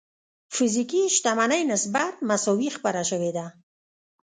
فزيکي شتمنۍ نسبت مساوي خپره شوې ده.